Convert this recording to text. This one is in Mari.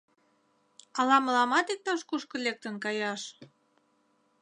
Ала мыламат иктаж-кушко лектын каяш?